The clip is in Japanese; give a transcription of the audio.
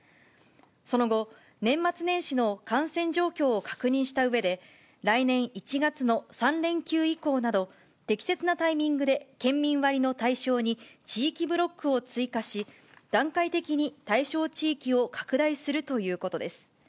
その後、年末年始の感染状況を確認したうえで、来年１月の３連休以降など、適切なタイミングで県民割の対象に地域ブロックを追加し、段階的に対象地域を拡大するということです。